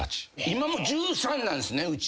今もう１３なんすねうち。